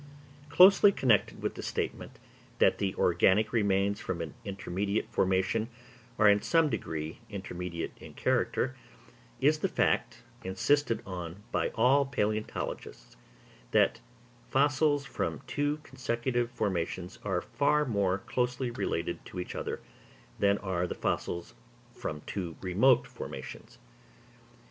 Closely connected with the statement, that the organic remains from an intermediate formation are in some degree intermediate in character, is the fact, insisted on by all palæontologists, that fossils from two consecutive formations are far more closely related to each other, than are the fossils from two remote formations.